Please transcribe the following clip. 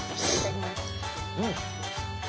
うん！